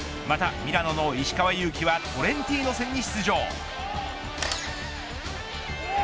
またミラノの石川祐希はトレンティーノ戦に出場。